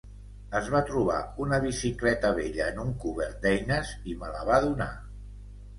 Es va trobar una bicicleta vella en un cobert d'eines, i me la va donar.